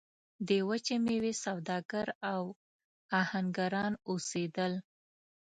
د وچې میوې سوداګر او اهنګران اوسېدل.